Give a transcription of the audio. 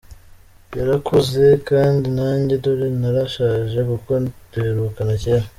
Yarakuze, kandi nanjye dore narashaje, kuko duherukana cyera.